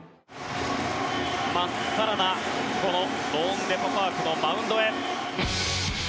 まっさらなこのローンデポ・パークのマウンドへ。